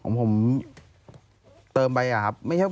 ของผมเติมไปอะครับ